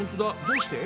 どうして？